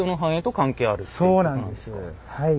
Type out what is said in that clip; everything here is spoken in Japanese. そうなんですはい。